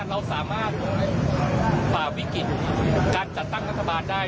เราสามารถฝ่าวิกฤตการจัดตั้งรัฐบาลได้